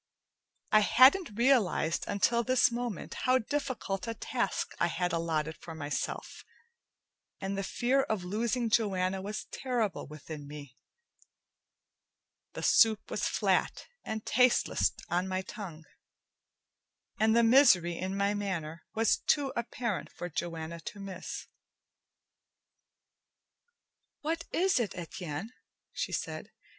I hadn't realized until this moment how difficult a task I had allotted for myself, and the fear of losing Joanna was terrible within me. The soup was flat and tasteless on my tongue, and the misery in my manner was too apparent for Joanna to miss. "What is it, Etienne?" she said.